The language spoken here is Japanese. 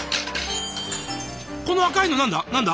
この赤いの何だ？